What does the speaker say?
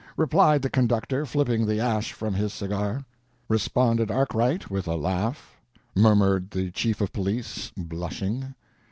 "... replied the conductor, flipping the ash from his cigar." "... responded Arkwright, with a laugh." "... murmured the chief of police, blushing."